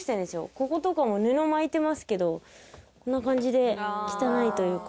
こことかも布巻いてますけどこんな感じで汚いというか。